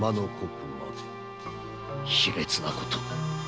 卑劣なことを！